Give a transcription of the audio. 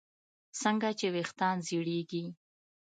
څنګه چې ویښتان زړېږي